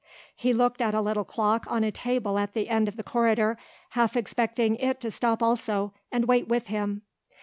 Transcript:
He looked at a little clock on a table at the end of the corridor, half expecting it to stop also and wait with him.